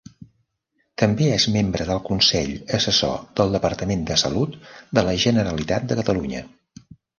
També és membre del Consell Assessor del Departament de Salut de la Generalitat de Catalunya.